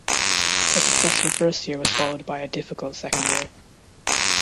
A successful first year was followed by a difficult second year.